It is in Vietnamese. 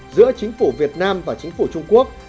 giữa chính phủ việt nam và chính phủ trung quốc